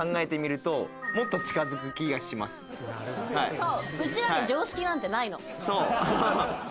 そう。